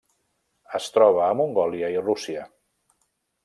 Es troba a Mongòlia i Rússia.